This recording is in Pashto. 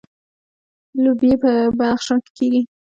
لوبیې په بدخشان کې کیږي